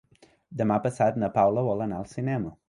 Demà passat na Paula vol anar al cinema.